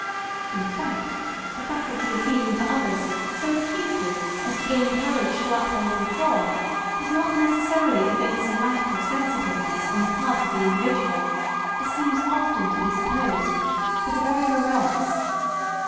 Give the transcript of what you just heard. In fact, the faculty of feeling for others so acutely as to gain courage to uphold reform, does not necessarily evince a lack of sensitiveness on the part of the individual, as seems often to be supposed, but the very reverse.